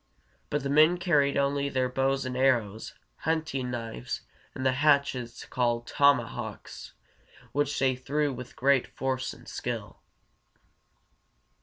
But the men carried only their bows and arrows, hunting knives, and the hatchets called tomahawks, which they threw with great force and skill.